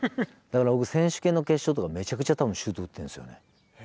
だから僕選手権の決勝とかめちゃくちゃ多分シュート打ってるんですよね。